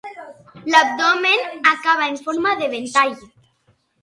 L'abdomen acaba en forma de ventall.